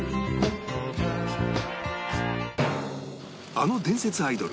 あの伝説アイドル